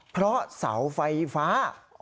เพราะเสาไฟฟ้า